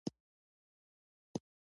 د ډوډۍ خوړلو وروسته د استاد اتاق ته راغلم.